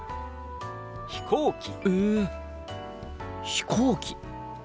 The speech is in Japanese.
飛行機。